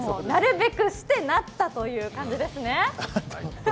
なるべくしてなったという感じですね。